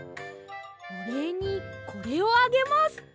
おれいにこれをあげます！